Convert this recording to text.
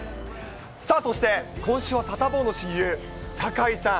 さあ、そして今週はサタボーの親友、酒井さん。